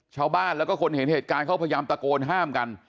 ชาวบ้านแล้วก็คนเห็นเหตุการณ์เขาพยายามตะโกนห้ามกัน